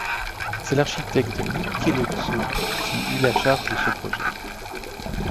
C’est l’architecte, Michelozzo qui eut la charge de ce projet.